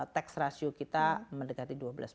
tax ratio kita mendekati dua belas